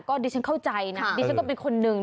ก็ดิฉันเข้าใจนะดิฉันก็เป็นคนหนึ่ง